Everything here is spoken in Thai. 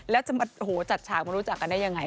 แล้วจะจัดฉากมารู้จักกันได้ยังไง